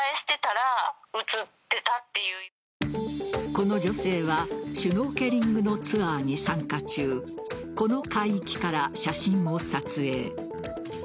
この女性はシュノーケリングのツアーに参加中この海域から写真を撮影。